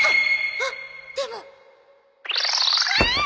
あっでもうわあっ！